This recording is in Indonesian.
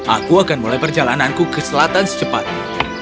aku akan mulai perjalananku ke selatan secepatnya